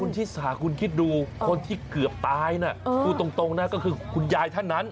ชิสาคุณคิดดูคนที่เกือบตายนะพูดตรงนะก็คือคุณยายท่านนั้น